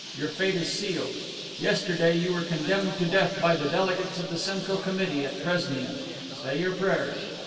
Your fate is sealed. Yesterday you were condemned to death by the delegates of the Central Committee at Presnia. Say your prayers."